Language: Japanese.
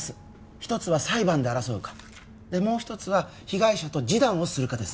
一つは裁判で争うかもう一つは被害者と示談をするかです